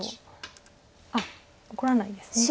あっ怒らないんですね。